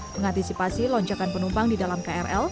mengantisipasi lonjakan penumpang di dalam krl